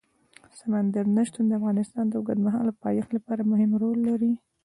سمندر نه شتون د افغانستان د اوږدمهاله پایښت لپاره مهم رول لري.